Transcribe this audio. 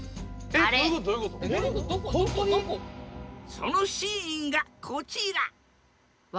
そのシーンがこちら！